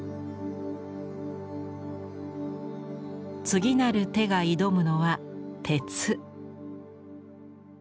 次なる手が挑むのは鉄。